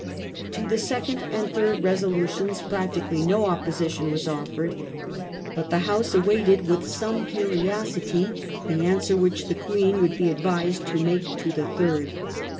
To the second and third resolutions practically no opposition was offered, but the House awaited with some curiosity the answer which the Queen would be advised to make to the third.